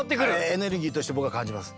エネルギーとして僕は感じます。